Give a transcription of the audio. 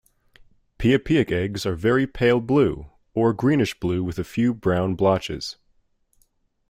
Piapiac eggs are very pale blue, or greenish-blue with a few brown blotches.